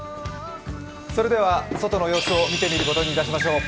外の様子を見てみることにいたしましょう。